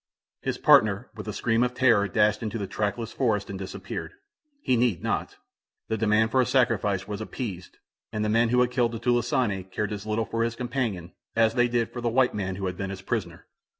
His partner, with a scream of terror, dashed into the trackless forest and disappeared. He need not. The demand for a sacrifice was appeased, and the men who had killed the "tulisane" cared as little for his companion as they did for the white man who had been his prisoner.